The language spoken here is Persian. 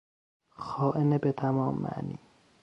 خائن به تمام معنی